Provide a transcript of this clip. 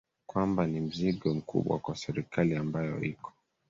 kwamba ni mzigo mkubwa kwa serikali ambayo iko